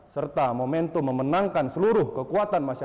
serta momentum memenangkan seluruh kekuatan masyarakat